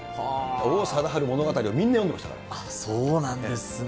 王貞治物語をみんな読んでましたそうなんですね。